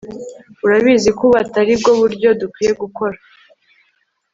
urabizi ko ubu atari bwo buryo dukwiye gukora ibi